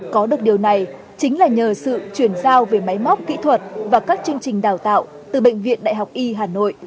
có được điều này chính là nhờ sự chuyển giao về máy móc kỹ thuật và các chương trình đào tạo từ bệnh viện đại học y hà nội